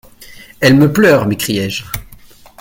Elle me pleure ! m'écriais-je.